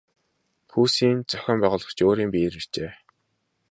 Пүүсийн зохион байгуулагч өөрийн биеэр иржээ.